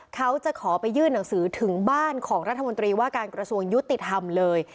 เขาจะขอไปยื่นหนังสือถึงบ้านของรัฐมนตรีว่าการกระทรวงยุติธรรมเลย